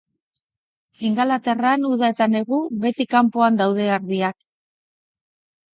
Ingalaterran, uda eta negu, beti kanpoan daude ardiak.